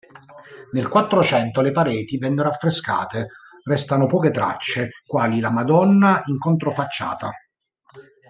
Nel Quattrocento le pareti vennero affrescate: restano poche tracce, quali la "Madonna" in controfacciata.